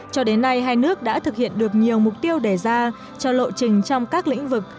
cho đến nay hai nước đã thực hiện được nhiều mục tiêu đề ra cho lộ trình trong các lĩnh vực